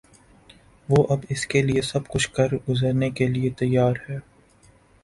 وہ اب اس کے لیے سب کچھ کر گزرنے کے لیے تیار ہیں۔